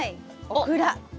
オクラ！